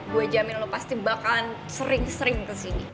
gue jamin lo pasti bakal sering sering kesini